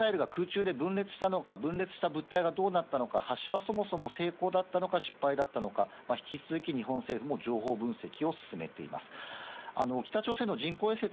ミサイルが空中で分裂したのか、分裂した物体がどうなったのか発射はそもそも成功だったのか失敗だったのか、引き続き日本政府も情報分析を進めています。